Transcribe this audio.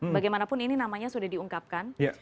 bagaimanapun ini namanya sudah diungkapkan